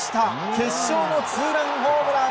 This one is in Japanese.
決勝のツーランホームラン！